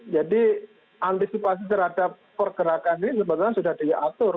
jadi antisipasi terhadap pergerakan ini sebetulnya sudah diatur